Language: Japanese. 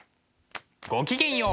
ごきげんよう！